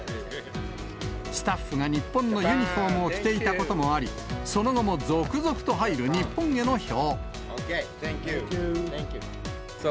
スタッフが日本のユニホームを着ていたこともあり、その後も続々と入る日本への票。